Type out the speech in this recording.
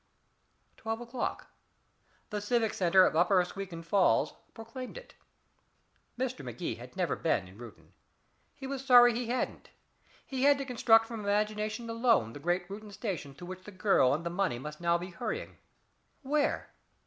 Twelve o'clock! The civic center of Upper Asquewan Falls proclaimed it. Mr. Magee had never been in Reuton. He was sorry he hadn't. He had to construct from imagination alone the great Reuton station through which the girl and the money must now be hurrying where?